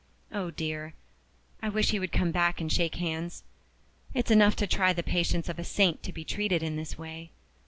Oh, dear! I wish he would come back and shake hands. It's enough to try the patience of a saint to be treated in this way.